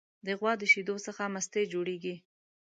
د غوا د شیدو څخه مستې جوړیږي.